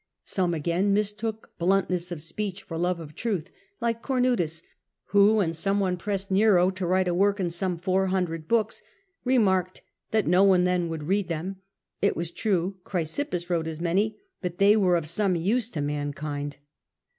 Some, again, mistook bluntness of speech for love of truth, like Comutus, who, when some one pressed Nero to write a work in some four hundred books, remarked that ^ no one then would read them; it was true Chrysip pus wrote as many, but they were of some use to man kind.